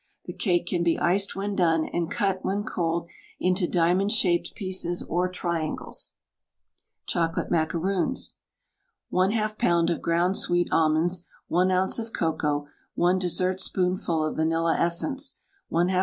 The cake can be iced when done, and cut, when cold, into diamond shaped pieces or triangles. CHOCOLATE MACAROONS. 1/2 lb. of ground sweet almonds, 1 oz. of cocoa, 1 dessertspoonful of vanilla essence, 1/2 lb.